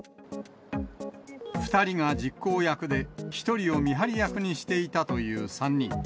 ２人が実行役で、１人を見張り役にしていたという３人。